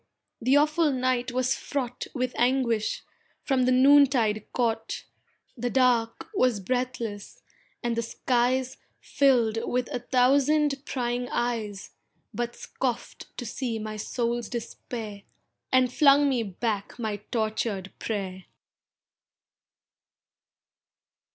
the awful night was fraught With anguish, from the noontide caught; The dark was breathless, and the skies Filled with a thousand prying eyes But scoffed to see my soul's despair, And flung me back my tortured prayer.